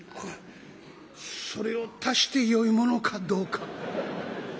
「それを足してよいものかどうか。